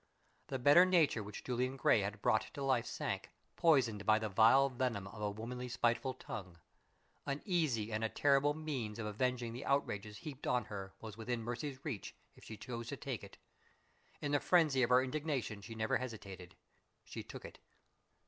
The better nature which Julian Gray had brought to life sank, poisoned by the vile venom of a womanly spiteful tongue. An easy and a terrible means of avenging the outrages heaped on her was within Mercy's reach, if she chose to take it. In the frenzy of her indignation she never hesitated she took it.